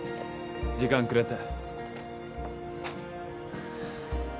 時間くれて。